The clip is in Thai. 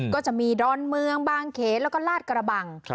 ก็จะมีดอนเมืองบางเขนแล้วก็ลาดกระบัง